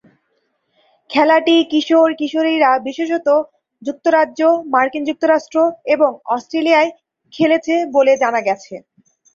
খেলাটি কিশোর-কিশোরীরা বিশেষত যুক্তরাজ্য, মার্কিন যুক্তরাষ্ট্র এবং অস্ট্রেলিয়ায় খেলেছে বলে জানা গেছে।